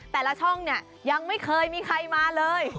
แต่ละช่องเนี่ยยังไม่เคยมีใครมาเลย